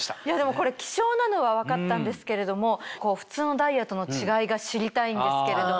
これ希少なのは分かったんですけれども普通のダイヤとの違いが知りたいんですけれども。